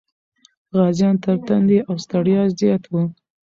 غازيان تر تندې او ستړیا زیات و.